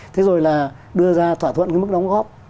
thế rồi là đưa ra thỏa thuận cái mức đóng góp